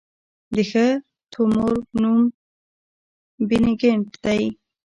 د ښه تومور نوم بېنیګنټ دی.